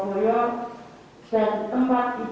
kami juga melonseng sekolah meskipun belum masuk